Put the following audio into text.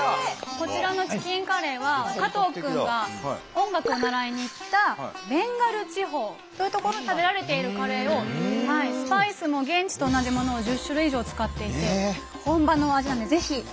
こちらのチキンカレーは加藤君が音楽を習いに行ったベンガル地方という所で食べられているカレーをスパイスも現地と同じものを１０種類以上使っていて本場の味なのでぜひ食べてください。